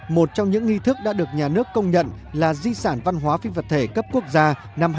một trong những nghi thức đã được nhà nước công nhận là di sản văn hóa phi vật thể cấp quốc gia năm hai nghìn một mươi tám